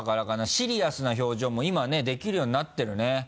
シリアスな表情も今ねできるようになってるね。